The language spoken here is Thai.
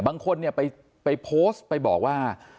บางคนเนี่ยไปโพสต์ไปบอกว่า